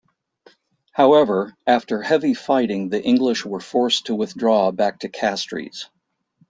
However, after heavy fighting the English were forced to withdraw back to Castries.